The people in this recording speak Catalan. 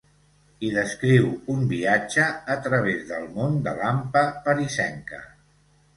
Hi descriu un viatge a través del món de l'hampa parisenca.